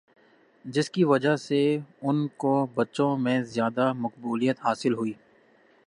جس کی وجہ سے ان کو بچوں میں زیادہ مقبولیت حاصل ہوئی